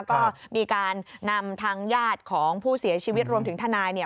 ก็มีการนำทางญาติของผู้เสียชีวิตรวมถึงทนาย